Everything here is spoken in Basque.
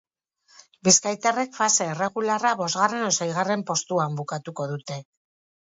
Bizkaitarrek fase erregularra bosgarren edo seigarren postuan bukatuko dute.